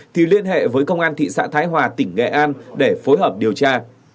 thì liên hệ với công an thị xã thái hòa tỉnh nghệ an để phối hợp điều tra